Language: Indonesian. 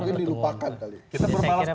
mungkin dilupakan kali ya